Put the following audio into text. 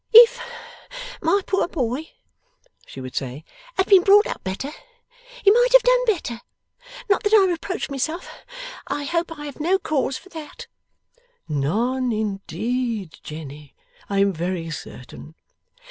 'If my poor boy,' she would say, 'had been brought up better, he might have done better. Not that I reproach myself. I hope I have no cause for that.' 'None indeed, Jenny, I am very certain.